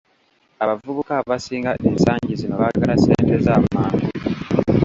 Abavubuka abasinga ensangi zino baagala ssente zamangu